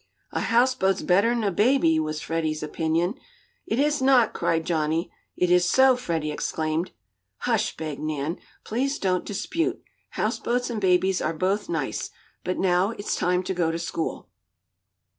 "A houseboat's better'n a baby," was Freddie's opinion. "It is not!" cried Johnnie. "It is so!" Freddie exclaimed. "Hush!" begged Nan. "Please don't dispute. Houseboats and babies are both nice. But now it's time to go to school."